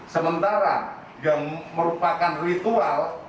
sementara yang merupakan ritual